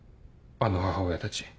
あの母親たち。